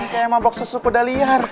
kayak mabok susu kuda liar